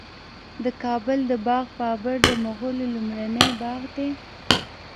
د کابل د باغ بابر د مغلو لومړنی باغ دی